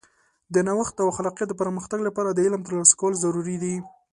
د نوښت او خلاقیت د پرمختګ لپاره د علم ترلاسه کول ضروري دي.